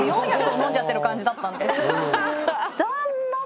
飲んじゃってる感じだったんです。